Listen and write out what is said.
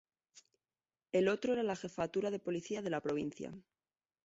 El otro era la jefatura de Policía de la Provincia.